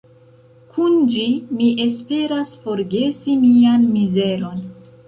Kun ĝi mi esperas forgesi mian mizeron.